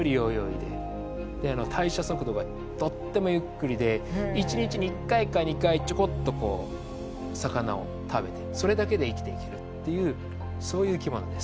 で代謝速度がとってもゆっくりで１日に１回か２回ちょこっとこう魚を食べてそれだけで生きていけるっていうそういう生きものです。